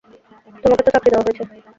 তোমাকে তো, চাকরি দেওয়া হইছে।